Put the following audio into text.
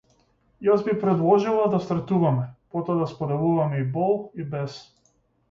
Јас би предложила да стартуваме, потоа да споделуваме и бол и бес.